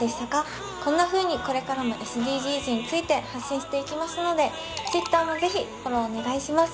こんなふうにこれからもＳＤＧｓについて発信していきますのでＴｗｉｔｔｅｒもぜひフォローお願いします。